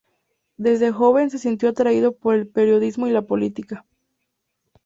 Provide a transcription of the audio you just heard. Desde joven se sintió atraído por el periodismo y la política.